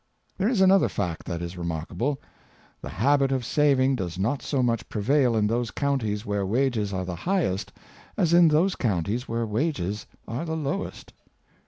There is another fact that is remarkable. The habit of saving does not so much prevail in those counties where wages are the highest as in those counties where wages are the lowest.